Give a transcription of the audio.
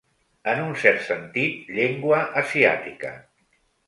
En un cert sentit, llengua asiàtica.